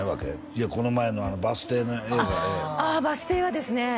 いやこの前のバス停の映画であっバス停はですね